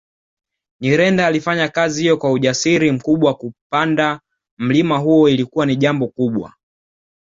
Nyirenda alifanya kazi hiyo kwa ujasiri mkubwa kupanda mlima huo ilikuwa ni jambo kubwa